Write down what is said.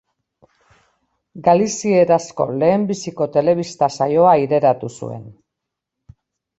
Galizierazko lehenbiziko telebista saioa aireratu zuen.